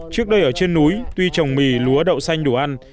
trước đây ở trên núi tuy trồng mì lúa đậu xanh đủ ăn